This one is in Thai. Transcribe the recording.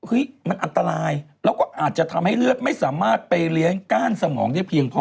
มันอันตรายแล้วก็อาจจะทำให้เลือดไม่สามารถไปเลี้ยงก้านสมองได้เพียงพอ